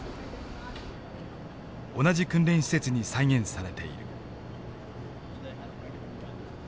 同じ訓練施設に再現されている。